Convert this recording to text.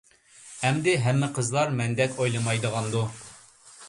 ئەمدى ھەممە قىزلار مەندەك ئويلىمايدىغاندۇ.